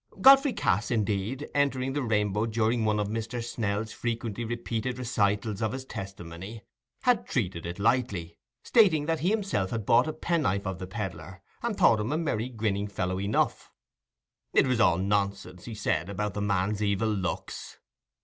Godfrey Cass, indeed, entering the Rainbow during one of Mr. Snell's frequently repeated recitals of his testimony, had treated it lightly, stating that he himself had bought a pen knife of the pedlar, and thought him a merry grinning fellow enough; it was all nonsense, he said, about the man's evil looks.